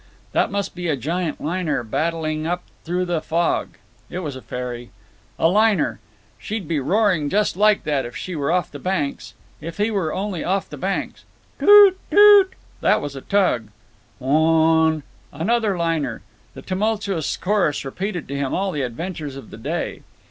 That must be a giant liner, battling up through the fog. (It was a ferry.) A liner! She'd be roaring just like that if she were off the Banks! If he were only off the Banks! "Toot! Toot!" That was a tug. "Whawn n n!" Another liner. The tumultuous chorus repeated to him all the adventures of the day.